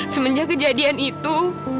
semenjak kejadian itu